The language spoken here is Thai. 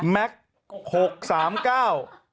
แม็กซ์หกสามเก้า